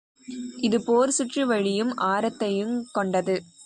இது போர் சுற்று வழியும் ஆரத்தையுங் கொண்டது.